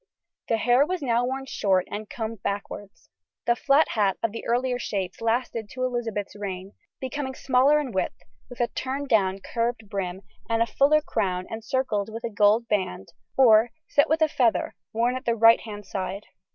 The hair was now worn short and combed backwards. The flat hat of the earlier shapes lasted to Elizabeth's reign; becoming smaller in width, with a turned down, curved brim and a fuller crown encircled with a gold band or set with a feather worn at the right hand side.